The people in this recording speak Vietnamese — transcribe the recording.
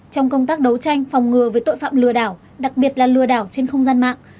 trong công tác đấu tranh phòng ngừa với tội phạm lừa đảo đặc biệt là lừa đảo trên không gian mạng